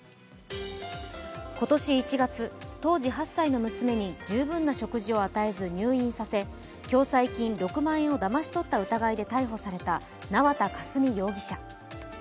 今年１月、当時８歳の娘に十分な食事を与えず入院させ共済金６万円をだまし取った疑いで逮捕された縄田佳純容疑者。